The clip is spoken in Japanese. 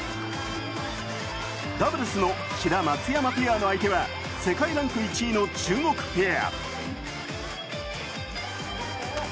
ダブルスの志田・松山ペアの相手は世界ランク１位の中国ペア。